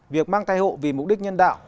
việc mang thai hộ vì mục đích nhân đạo